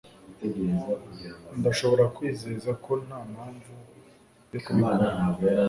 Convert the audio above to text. Ndashobora kwizeza ko nta mpamvu yo kubikora.